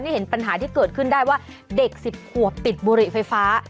เห็นปัญหาที่เกิดขึ้นได้ว่าเด็ก๑๐ขวบติดบุหรี่ไฟฟ้า